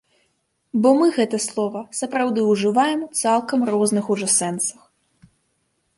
Бо мы гэта слова сапраўды ўжываем у цалкам розных ужо сэнсах.